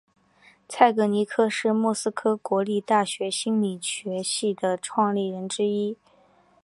蔡格尼克是莫斯科国立大学心理学系的创立人之一。